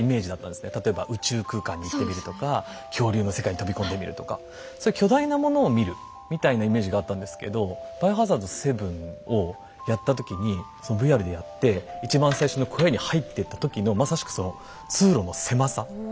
例えば宇宙空間に行ってみるとか恐竜の世界に飛び込んでみるとかそういう巨大なものを見るみたいなイメージがあったんですけど「バイオハザード７」をやった時にそのＶＲでやって一番最初の小屋に入ってった時のまさしくその通路の狭さ。